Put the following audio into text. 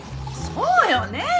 そうよねえ！